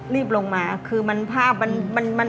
รีบลงมาคือมันภาพมัน